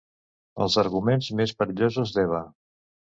Els arguments més perillosos d'Eva.